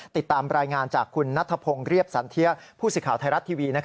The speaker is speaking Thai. ติดตามรายงานจากคุณนัทพงศ์เรียบสันเทียผู้สื่อข่าวไทยรัฐทีวี